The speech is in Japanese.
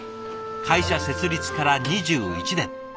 会社設立から２１年。